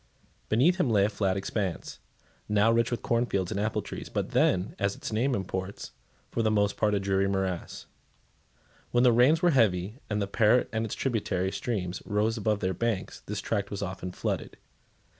Beneath him lay a flat expanse, now rich with cornfields and apple trees, but then, as its name imports, for the most part a dreary morass. When the rains were heavy, and the Parret and its tributary streams rose above their banks, this tract was often flooded.